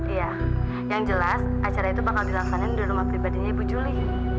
iya yang jelas acara itu bakal dilaksanakan di rumah pribadinya ibu juli